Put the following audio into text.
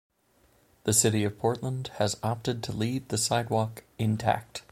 The City of Portland has opted to leave the sidewalk intact.